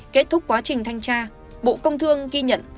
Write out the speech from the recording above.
kết thúc quá trình thanh tra bộ công thương ghi nhận